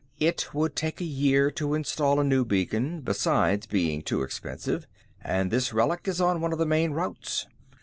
"It would take a year to install a new beacon besides being too expensive and this relic is on one of the main routes.